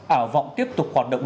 ảo vọng tiếp tục hoạt động